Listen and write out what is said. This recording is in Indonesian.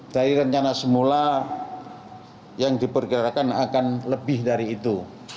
dari rencana semula yang diperkirakan akan lebih dari itu